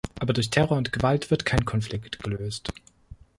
Aber durch Terror und Gewalt wird kein Konflikt gelöst.